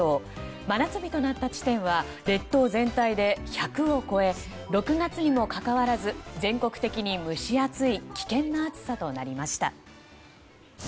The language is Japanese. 真夏日となった地点は列島全体で１００を超え６月にもかかわらず全国的に蒸し暑い危険な暑さとなりました。